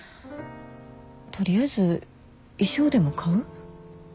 とりあえず衣装でも買う？